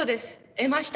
得ました。